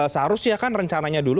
seharusnya kan rencananya dulu